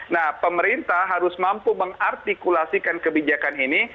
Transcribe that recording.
nah pemerintah harus mampu mengartikulasikan kebijakan ini